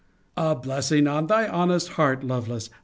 A blessing on thy honest heart, Lovelace!